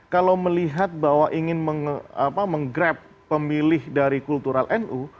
kalau melihat bahwa ingin menggrab pemilih dari kultural nu